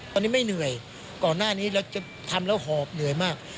ตอนนี้ไม่เหนื่อยก่อนหน้านี้เราจะทำแล้วหอบเหนื่อยมาก